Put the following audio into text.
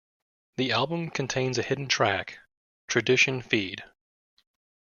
The album contains a hidden track, "Tradition Feed".